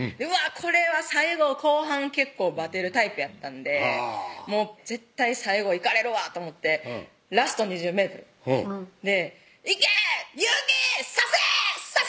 これは最後後半結構ばてるタイプやったんで絶対最後いかれるわと思ってラスト２０ｍで「いけ！ゆーき！させ！させ！」